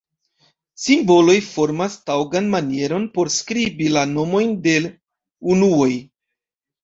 Simboloj formas taŭgan manieron por skribi la nomojn de unuoj.